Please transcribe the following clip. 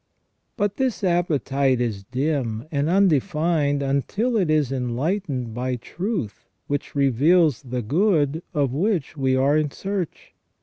{ But this appetite is dim and undefined until it is enlightened by truth which reveals the good of which we are in search.